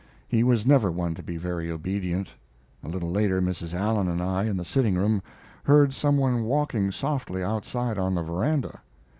He was never one to be very obedient. A little later Mrs. Allen and I, in the sitting room, heard some one walking softly outside on the veranda.